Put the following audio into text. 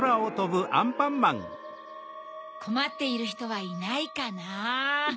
こまっているひとはいないかな？